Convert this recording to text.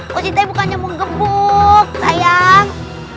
positai bukan nyembong gebuk sayang